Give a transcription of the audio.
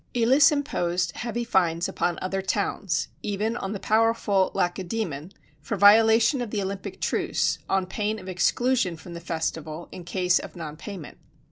Elis imposed heavy fines upon other towns even on the powerful Lacedæmon for violation of the Olympic truce, on pain of exclusion from the festival in case of non payment.